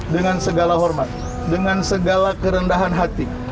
dengan segala hormat dengan segala kerendahan hati